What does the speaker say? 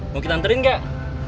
mau kita anterin gak